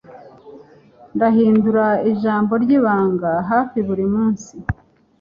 Ndahindura ijambo ryibanga hafi buri munsi